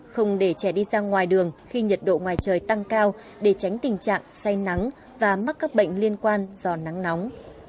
không để trẻ đi ra ngoài đường khi nhiệt độ ngoài trời tăng cao để tránh tình trạng say nắng và mắc các bệnh liên quan do nắng nóng